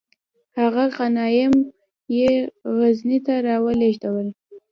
هغه غنایم یې غزني ته را ولیږدول.